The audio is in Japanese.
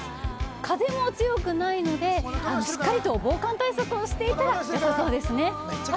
風も強くないのでしっかりと防寒対策をしていたら良さそうですね。